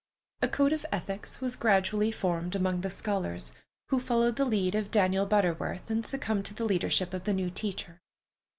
A code of ethics was gradually formed among the scholars, who followed the lead of Daniel Butterworth and succumbed to the leadership of the new teacher.